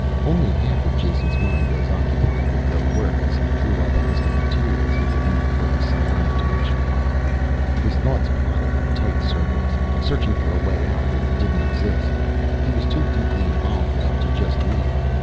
Only half of Jason's mind was occupied with the work as he drew up a list of materials he would need for the psionic direction finder. His thoughts plodded in tight circles, searching for a way out that didn't exist. He was too deeply involved now to just leave.